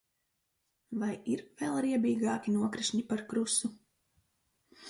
Vai ir vēl riebīgāki nokrišņi par krusu?